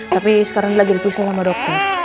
tapi sekarang lagi dipisah sama dokter